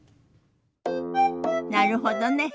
なるほどね。